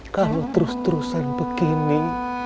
kalau terus terusan begini